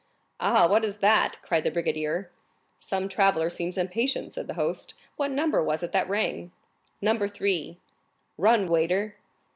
"Ah, what is that?" cried the brigadier. "Some traveller seems impatient," said the host. "What number was it that rang?" "Number 3." "Run, waiter!"